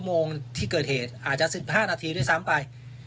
โมงที่เกิดเหตุอาจจะ๑๕นาทีด้วยซ้ำไป